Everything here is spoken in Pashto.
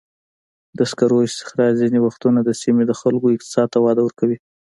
د سکرو استخراج ځینې وختونه د سیمې د خلکو اقتصاد ته وده ورکوي.